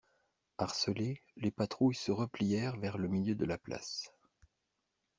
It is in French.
Harcelées, les patrouilles se replièrent vers le milieu de la place.